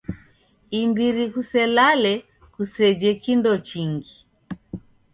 Imbiri kuselale kuseje kindo chingi.